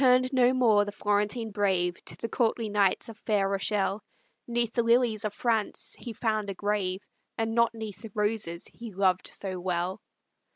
But returned no more the Florentine brave To the courtly knights of fair Rochelle; 'Neath the lilies of France he found a grave, And not 'neath the roses he loved so well.